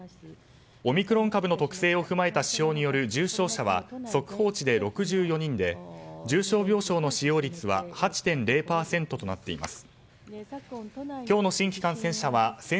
オミクロン株の特性を踏まえた指標による重症者は速報値で６４人で重症病床の使用率は８．０％となっています。